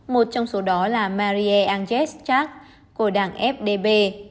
một trong số đó là marie angèle schach của đảng fdp